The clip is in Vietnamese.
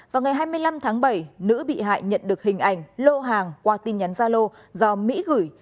vào ngày hai mươi năm tháng bảy nữ bị hại nhận được hình ảnh lô hàng qua tin nhắn gia lô do mỹ gửi